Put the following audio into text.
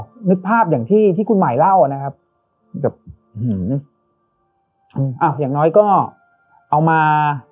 ก็นึกภาพอย่างที่ที่คุณหมายเล่านะครับแบบอ้าวอย่างน้อยก็เอามา